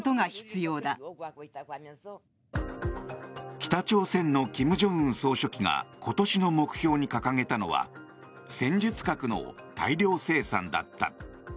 北朝鮮の金正恩総書記が今年の目標に掲げたのは戦術核の大量生産だった。